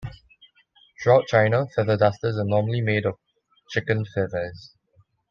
Throughout China, feather dusters are normally made of chicken feathers.